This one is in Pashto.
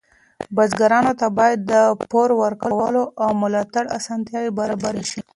بزګرانو ته باید د پور ورکولو او ملاتړ اسانتیاوې برابرې شي.